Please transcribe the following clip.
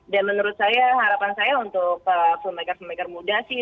dan menurut saya harapan saya untuk filmmaker filmmaker muda sih